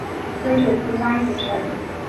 曾祖父张谷成。